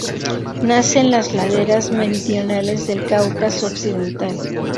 Nace en las laderas meridionales del Cáucaso Occidental.